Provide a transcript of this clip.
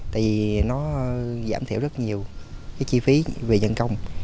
vì nó giảm thiểu rất nhiều chi phí về nhân công